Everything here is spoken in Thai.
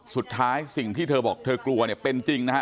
สิ่งที่เธอบอกเธอกลัวเนี่ยเป็นจริงนะฮะ